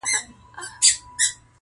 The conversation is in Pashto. • هنر خاموش زر پرستي وه پکښې,